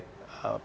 presiden akan mulai